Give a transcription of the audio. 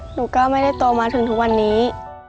หนูก็ไม่ได้โตมาถึงทุกวันนี้